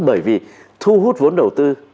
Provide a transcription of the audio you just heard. bởi vì thu hút vốn đầu tư